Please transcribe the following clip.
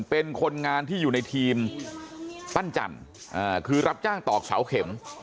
เป็นคนงานที่อยู่ในทีมปั้นจันทร์คือรับจ้างตอกเสาเข็ม